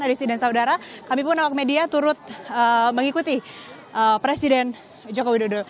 desi dan saudara kami pun awak media turut mengikuti presiden joko widodo